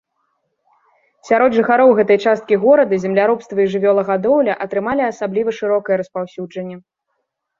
Сярод жыхароў гэтай часткі горада земляробства і жывёлагадоўля атрымалі асабліва шырокае распаўсюджанне.